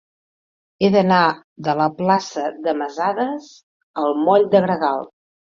He d'anar de la plaça de Masadas al moll de Gregal.